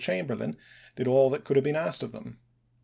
Chamberlain did all that could have been asked of them.